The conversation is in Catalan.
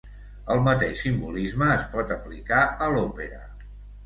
El mateix simbolisme es pot aplicar a l'òpera.